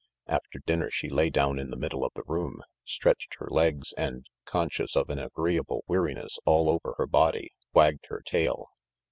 After dinner she lay down in the middle of the room, stretched her legs and, conscious of an agreeable weariness all over her body, wagged her tail.